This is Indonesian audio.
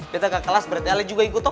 kita ke kelas berarti ale juga ikut dong